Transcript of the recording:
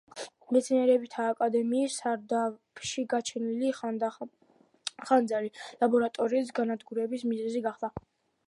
მეცნიერებათა აკადემიის სარდაფში გაჩენილი ხანძარი ლაბორატორიის განადგურების მიზეზი გახდა.